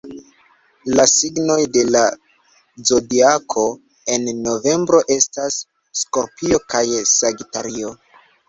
La signoj de la Zodiako en novembro estas Skorpio kaj Sagitario.